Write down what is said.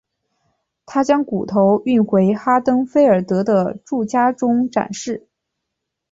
他将骨头运回哈登菲尔德的住家中展示。